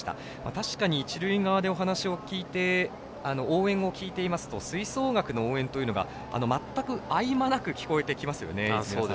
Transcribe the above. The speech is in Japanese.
確かに一塁側でお話を聞いて応援を聞いていますと吹奏楽の応援というのが全く合間なく聞こえてきますね。